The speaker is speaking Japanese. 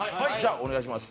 お願いします。